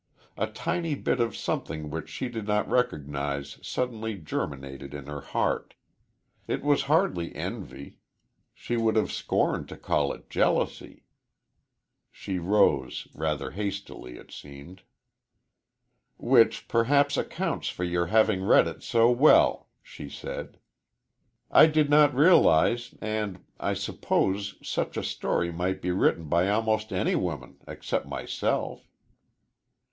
A tiny bit of something which she did not recognize suddenly germinated in her heart. It was hardly envy she would have scorned to call it jealousy. She rose rather hastily, it seemed. "Which perhaps accounts for your having read it so well," she said. "I did not realize, and I suppose such a story might be written by almost any woman except myself."